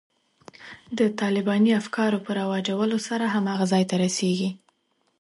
د طالباني افکارو په رواجولو سره هماغه ځای ته رسېږي.